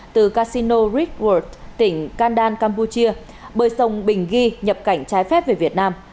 từ casino ritworth tỉnh kandan campuchia bơi sông bình ghi nhập cảnh trái phép về việt nam